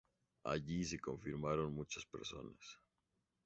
Allí se confirmaron muchas personas.